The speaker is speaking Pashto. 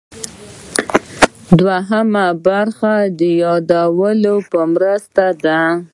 دوهمه برخه د یادولو په مرسته ده.